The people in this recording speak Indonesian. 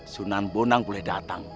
sunan ponan boleh datang